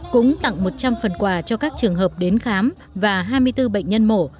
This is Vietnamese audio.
cũng tặng một trăm linh phần quà cho các trường hợp đến khám và hai mươi bốn bệnh nhân mổ